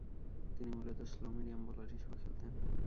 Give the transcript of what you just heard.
তিনি মূলতঃ slow medium bowler হিসেবে খেলতেন।